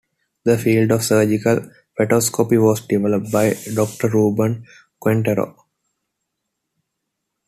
The field of surgical fetoscopy was developed by Doctor Ruben Quintero.